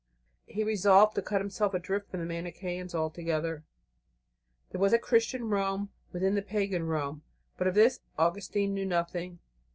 He resolved to cut himself adrift from the Manicheans altogether. There was a Christian Rome within the pagan Rome, but of this Augustine knew nothing.